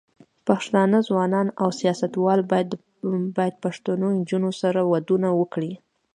پښتانه ځوانان او سياستوال بايد پښتنو نجونو سره ودونه وکړي.